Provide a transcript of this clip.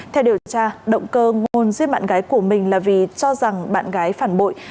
theo điều tra động cơ ngôn giết bạn gái của mình là vì cho rằng bạn gái phản bội